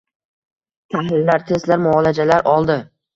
Tahlillar testlar muolajalar oldi.